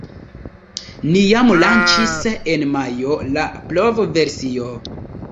Ni jam lanĉis en majo la provversion.